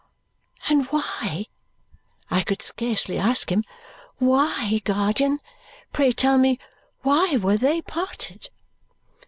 "And why," I could scarcely ask him, "why, guardian, pray tell me why were THEY parted?"